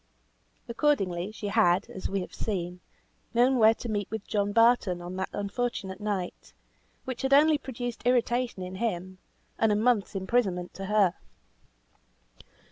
Accordingly, she had, as we have seen, known where to meet with John Barton on that unfortunate night, which had only produced irritation in him, and a month's imprisonment to her.